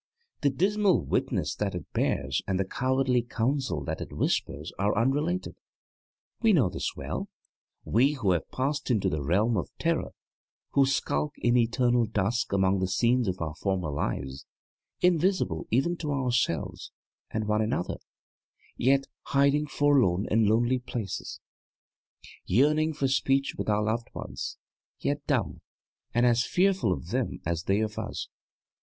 The dismal witness that it bears and the cowardly counsel that it whispers are unrelated. We know this well, we who have passed into the Realm of Terror, who skulk in eternal dusk among the scenes of our former lives, invisible even to ourselves, and one another, yet hiding forlorn in lonely places; yearning for speech with our loved ones, yet dumb, and as fearful of them as they of us.